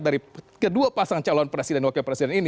dari kedua pasang calon presiden